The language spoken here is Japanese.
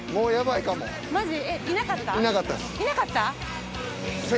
いなかった？